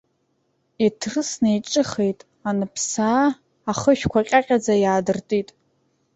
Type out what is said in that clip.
Иҭрысны иҿыхеит анԥсаа, ахышәқәа ҟьаҟьаӡа иаадыртит.